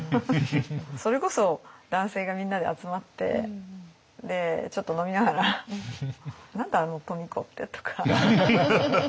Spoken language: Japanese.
それこそ男性がみんなで集まってちょっと飲みながら「何だあの富子って」とか。